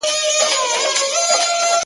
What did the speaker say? چی په عُقدو کي عقیدې نغاړي تر عرسه پوري~